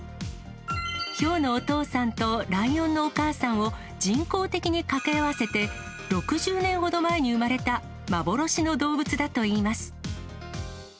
ヒョウのお父さんとライオンのお母さんを人工的に掛け合わせて、６０年ほど前に生まれた幻の動物だといいます。